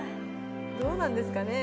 どうなんですかね？